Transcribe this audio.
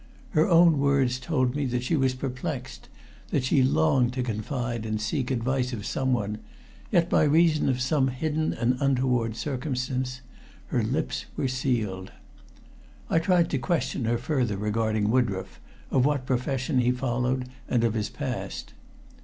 Her own words told me that she was perplexed; that she longed to confide and seek advice of someone, yet by reason of some hidden and untoward circumstance her lips were sealed. I tried to question her further regarding Woodroffe, of what profession he followed and of his past.